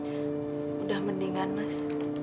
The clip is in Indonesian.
sudah mendingan mas